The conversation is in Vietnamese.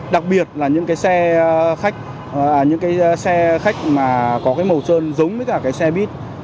đặc biệt là những cái xe khách mà có cái màu sơn giống với cả cái xe buýt